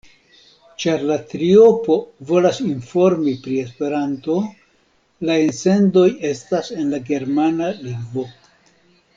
Ĉar la triopo volas informi pri Esperanto, la elsendoj estas en la germana lingvo.